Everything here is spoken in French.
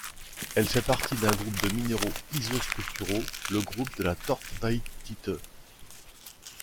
Elle fait partie d'un groupe de minéraux isostructuraux le groupe de la thortveitite.